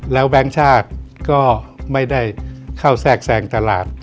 แล้วแบงค์ชาติก็ไม่ได้เข้าแทรกแทรงตลาด